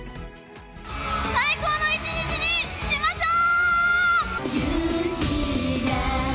最高の１日にしましょう！